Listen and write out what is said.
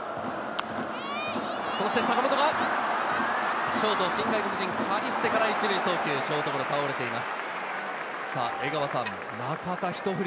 そして坂本がショート、外国人、カリステから１塁送球、ショートゴロに倒れています。